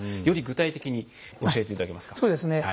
より具体的に教えていただけますか？